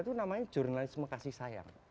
itu namanya jurnalisme kasih sayang